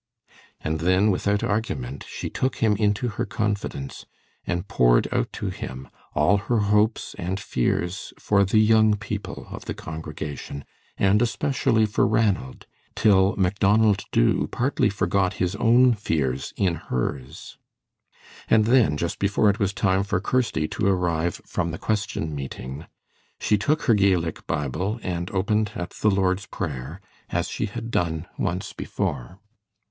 And then, without argument, she took him into her confidence and poured out to him all her hopes and fears for the young people of the congregation, and especially for Ranald, till Macdonald Dubh partly forgot his own fears in hers. And then, just before it was time for Kirsty to arrive from the "Question Meeting," she took her Gaelic Bible and opened at the Lord's Prayer, as she had done once before.